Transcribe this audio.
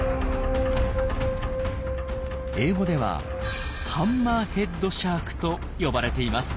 英語では「ハンマーヘッドシャーク」と呼ばれています。